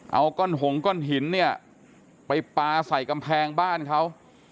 เอาก้อนหงก้อนหินเนี่ยไปปลาใส่กำแพงบ้านเขา